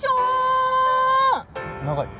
長い。